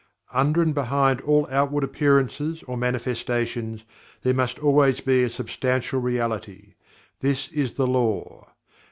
Under and behind all outward appearances or manifestations, there must always be a Substantial Reality. This is the Law.